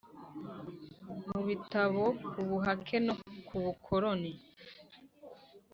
mu bitabo ku buhake no ku bukoloni